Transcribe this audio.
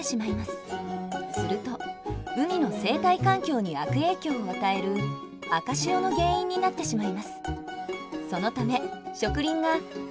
すると海の生態環境に悪影響を与える赤潮の原因になってしまいます。